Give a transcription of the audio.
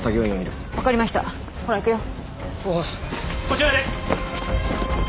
こちらです！